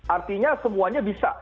artinya semuanya bisa